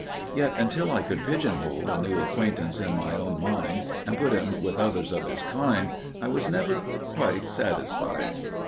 Yet until I could pigeon hole a new acquaintance in my own mind and put him with others of his kind I was never quite satisfied.